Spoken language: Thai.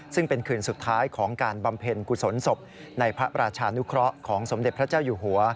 ซึ่งเป็นคืนสุดท้ายของการบำเพ็ญกุศลศพในพระราชานุเคราะห์ของสมเด็จพระเจ้าอยู่หัว